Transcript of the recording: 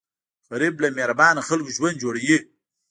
غریب له مهربانه خلکو ژوند جوړوي